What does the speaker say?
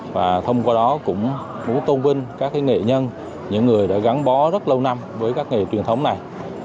và thông qua đó cũng tôn vinh các nghệ nhân những người đã gắn bó rất lâu năm với các nghề truyền thống này